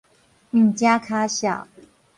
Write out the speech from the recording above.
毋成跤數